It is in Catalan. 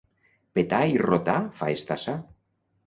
Petar i rotar fa estar sa.